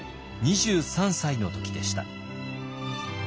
２３歳の時でした。